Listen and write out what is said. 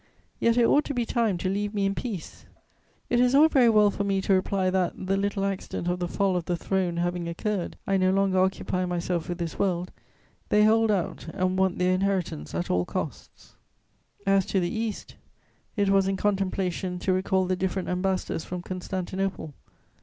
Yet it ought to be time to leave me in peace. It is all very well for me to reply that, the little accident of the fall of the Throne having occurred, I no longer occupy myself with this world: they hold out and want their inheritance at all costs. [Sidenote: The Eastern question.] As to the East, it was in contemplation to recall the different ambassadors from Constantinople.